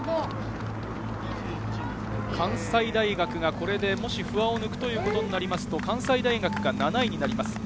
関西大学がこれでもし不破を抜くということになりますと、関西大学が７位になります。